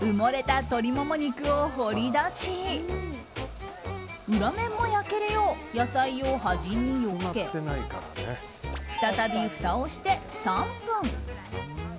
埋もれた鶏モモ肉を掘り出し裏面も焼けるよう野菜を端によけ再びふたをして、３分。